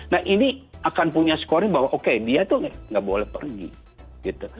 nah ini akan punya scoring bahwa oke dia tuh nggak boleh pergi gitu